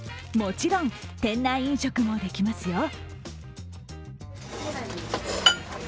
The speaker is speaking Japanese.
もちろん、店内飲食もできますよ。